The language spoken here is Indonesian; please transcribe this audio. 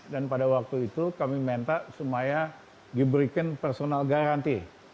dan pada waktu itu kami minta semuanya diberikan personal garanti